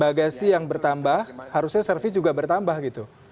bagasi yang bertambah harusnya servis juga bertambah gitu